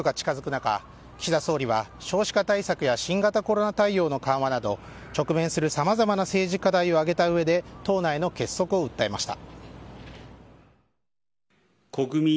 中岸田総理は少子化対策や新型コロナ対応の緩和など直面するさまざまな政治課題を挙げた上で、党内の結束を訴えました。